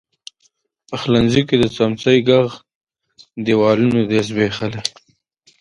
پخلنځي کې د څمڅۍ ږغ، دیوالونو دی زبیښلي